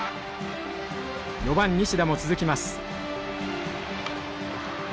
４番西田も続きます。